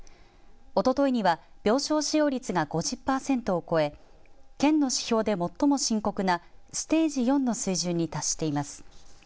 おとといには、病床使用率が５０パーセントを超え県の指標で最も深刻なステージ４の水準に達しています。